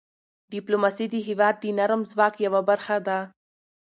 ډيپلوماسي د هېواد د نرم ځواک یوه برخه ده.